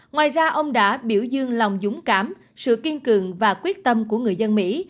ngoài ra ông đã biểu dương lòng dũng cảm sự kiên cường và quyết tâm của người dân mỹ